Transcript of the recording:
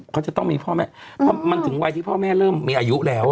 เขาจะต้องมีพ่อแม่เพราะมันถึงวัยที่พ่อแม่เริ่มมีอายุแล้ว